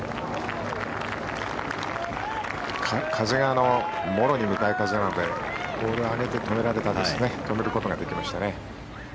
風が、もろに向かい風なのでボールを上げて止めることができましたね。